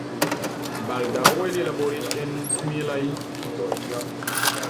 Baldaŭe li laboris en similaj institutoj.